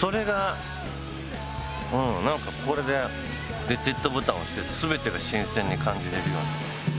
それがなんかこれでリセットボタン押して全てが新鮮に感じられるようになった。